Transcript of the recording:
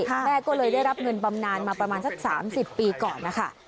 แม่ก็เลยได้รับเงินบำนานมาประมาณสัก๓๐ปีก่อนนะคะ